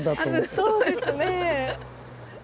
そうですね。